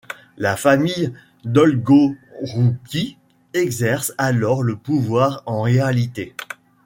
La famille Dolgorouki exerce alors le pouvoir en réalité.